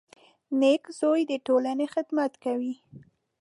• نېک زوی د ټولنې خدمت کوي.